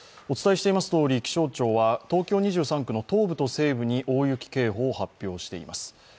お伝えしていますとおり、気象庁は東京２３区の東部と西部に大雪警報を発表しています。